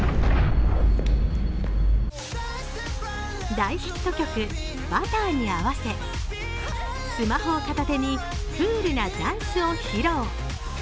大ヒット曲「Ｂｕｔｔｅｒ」に合わせスマホを片手にクールなダンスを披露。